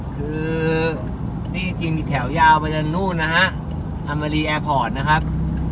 คือนี่จริงมีแถวยาวไปจนนู่นนะฮะอัมมารีแอร์พอร์ตนะครับ